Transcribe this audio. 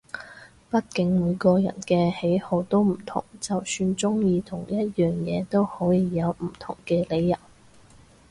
畢竟每個人嘅喜好都唔同，就算中意同一樣嘢都可以有唔同嘅理由